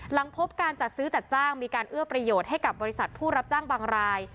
หลังพบการจัดซื้อจัดจ้างมีการเอื้อประโยชน์ให้กับบริษัทผู้รับจ้างบางราย